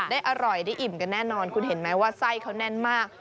ได้อร่อยได้อิ่มกันแน่นอนคุณเห็นไหมว่าไส้เขาแน่นมาก